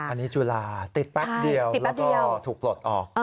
อันนี้จุฬาติดแป๊บเดียวแล้วก็ถูกปลดออก